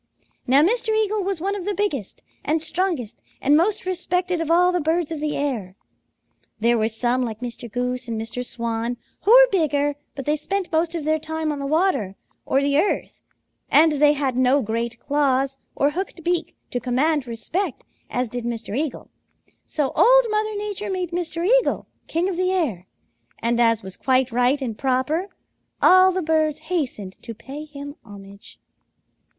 Now Mr. Eagle was one of the biggest and strongest and most respected of all the birds of the air. There were some, like Mr. Goose and Mr. Swan, who were bigger, but they spent most of their time on the water or the earth, and they had no great claws or hooked beak to command respect as did Mr. Eagle. So Old Mother Nature made Mr. Eagle king of the air, and as was quite right and proper, all the birds hastened to pay him homage.